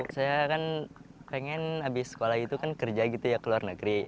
saya kan pengen abis sekolah itu kan kerja ke luar negeri